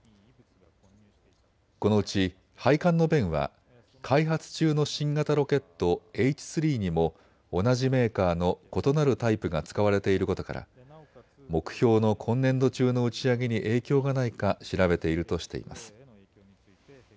このうち配管の弁は開発中の新型ロケット、Ｈ３にも同じメーカーの異なるタイプが使われていることから目標の今年度中の打ち上げに影響がないか調べているとしています。